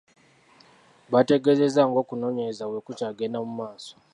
Bategeezezza ng'okunoonyereza bwe kukyagenda mu maaso .